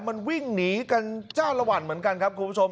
มันวิ่งหนีกันจ้าละวันเหมือนกันครับคุณผู้ชม